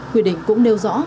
quyết định cũng nêu rõ